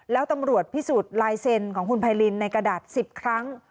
แล้วตำรวจพิสูจน์ลายเซ็นของคุณไพรินในกระดาษ๑๐ครั้ง